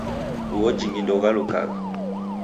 Uo jingi ndeughalukagha.